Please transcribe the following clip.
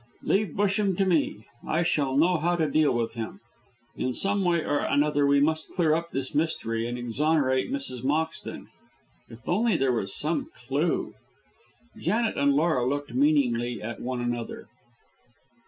Leave Busham to me. I shall know how to deal with him. In some way or another we must clear up this mystery, and exonerate Mrs. Moxton. If there was only some clue." Janet and Laura looked meaningly at one another.